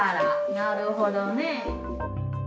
なるほどね。